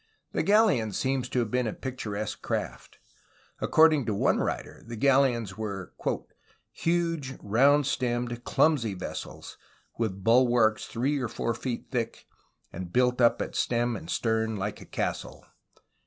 The galleon seems to have been a pictur esque craft. According to one writer the galleons were: "huge round stemmed, clumsy vessels, with bulwarks three or four feet thick, and built up at stem and stern like a castle."